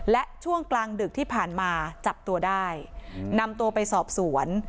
และช่วงกลางดึกที่ผ่านมาจับตัวได้นำตัวไปสอบสวน